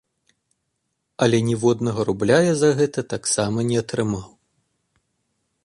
Але ніводнага рубля я за гэта таксама не атрымаў.